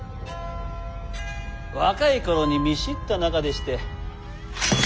若い頃に見知った仲でして。